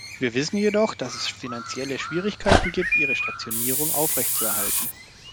Wir wissen jedoch, dass es finanzielle Schwierigkeiten gibt, ihre Stationierung aufrechtzuerhalten.